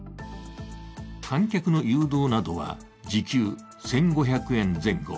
観客の誘導などは時給１５００円前後。